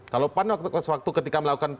kalau pan sewaktu ketika melakukan